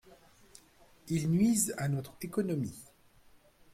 Ils nuisent à notre économie.